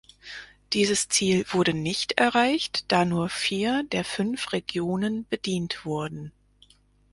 Dieses Ziel wurde nicht erreicht, da nur vier der fünf Regionen bedient wurden.